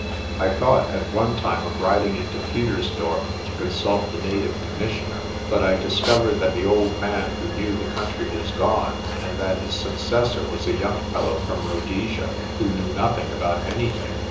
I thought at one time of riding into Pietersdorp to consult the Native Commissioner. But I discovered that the old man who knew the country was gone, and that his successor was a young fellow from Rhodesia, who knew nothing about anything.